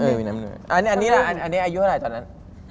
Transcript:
เออมีน้ำมีนวลอันนี้อะอันนี้อายุเท่าไหร่ตอนนั้น